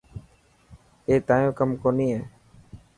اي تايون ڪم ڪوني هي.